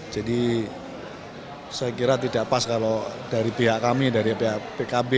jadi saya kira tidak pas kalau dari pihak kami dari pihak pkb